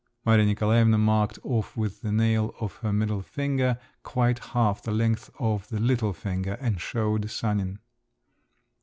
Maria Nikolaevna marked off with the nail of her middle finger quite half the length of the little finger and showed Sanin.